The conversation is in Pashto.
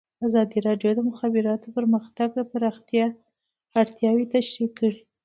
ازادي راډیو د د مخابراتو پرمختګ د پراختیا اړتیاوې تشریح کړي.